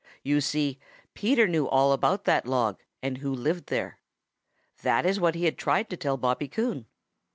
You see, Peter knew all about that log and who lived there. That is what he had tried to tell Bobby Coon.